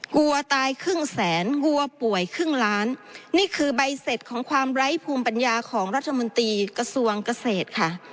กลัวตายครึ่งแสนกลัวป่วยครึ่งล้านนี่คือใบเสร็จของความไร้ภูมิปัญญาของรัฐมนตรีกระทรวงเกษตรค่ะ